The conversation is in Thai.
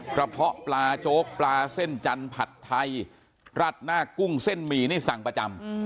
เพาะปลาโจ๊กปลาเส้นจันทร์ผัดไทยราดหน้ากุ้งเส้นหมี่นี่สั่งประจำ